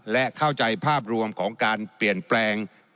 และเข้าใจภาพรวมของการเปลี่ยนแปลง